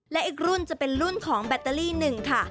และอีกรุ่นจะเป็นรุ่นของแบตเตอรี่หนึ่งค่ะ